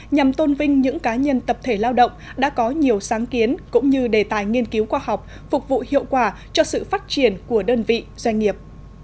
nhằm tôn vinh những cá nhân tập thể lao động đã có nhiều sáng kiến cũng như đề tài nghiên cứu khoa học phục vụ hiệu quả cho sự phát triển của đơn vị doanh nghiệp